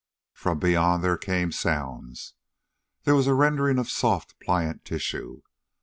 From beyond there came sounds. There was rending of soft, pliant tissue.